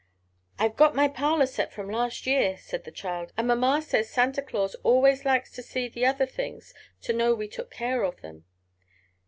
"I've got my parlor set from last year," said the child, "and mamma says Santa Claus always likes to see the other things, to know we took care of them."